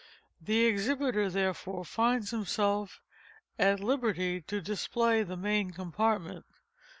The exhibiter, therefore, finds himself at liberty to display the main compartment.